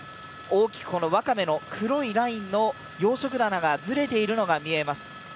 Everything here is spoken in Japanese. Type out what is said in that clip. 大きくわかめの黒いラインの養殖棚がずれているのが見えます。